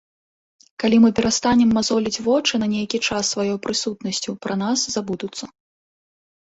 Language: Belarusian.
Калі мы перастанем мазоліць вочы на нейкі час сваёй прысутнасцю, пра нас забудуцца.